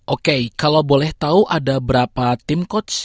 oke kalau boleh tahu ada berapa tim coach